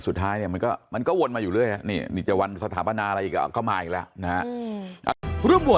สุดท้ายมันก็วนมาอยู่เรื่อยนี่จะวันสถาบันอะไรอีกก็มาอีกแล้ว